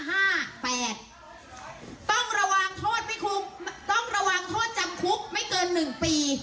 ห้าแปดต้องระวางโทษไม่คุมต้องระว้งโทษจำคุกไม่เกินหนึ่งปี